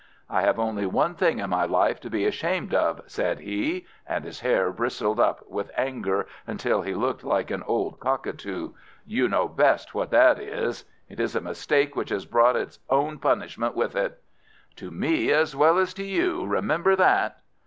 "I have only one thing in my life to be ashamed of," said he, and his hair bristled up with anger until he looked like an old cockatoo. "You know best what that is. It is a mistake which has brought its own punishment with it." "To me as well as to you. Remember that!"